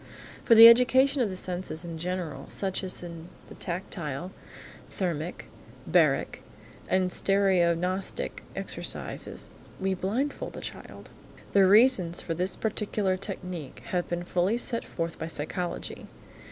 For the education of the senses in general, such as in the tactile, thermic, baric, and stereognostic exercises, we blindfold the child. The reasons for this particular technique have been fully set forth by psychology.